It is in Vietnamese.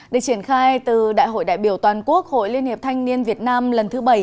để triển khai từ đại hội đại biểu toàn quốc hội liên hiệp thanh niên việt nam lần thứ bảy